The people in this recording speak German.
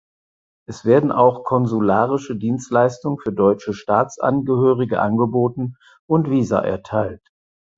Es werden auch konsularische Dienstleistungen für deutsche Staatsangehörige angeboten und Visa erteilt.